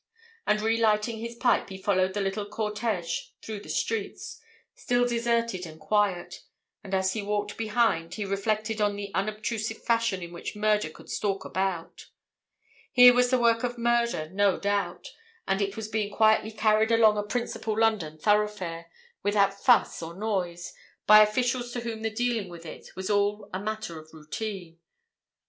And re lighting his pipe he followed the little cortège through the streets, still deserted and quiet, and as he walked behind he reflected on the unobtrusive fashion in which murder could stalk about. Here was the work of murder, no doubt, and it was being quietly carried along a principal London thoroughfare, without fuss or noise, by officials to whom the dealing with it was all a matter of routine.